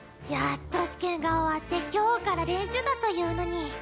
やっと試験が終わって今日から練習だというのに。